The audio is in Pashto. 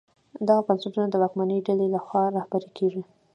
دغه بنسټونه د واکمنې ډلې لخوا رهبري کېږي.